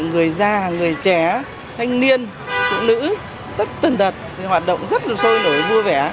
người già người trẻ thanh niên phụ nữ tất tần tật thì hoạt động rất là sôi nổi vui vẻ